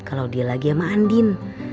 kalau dia lagi sama andin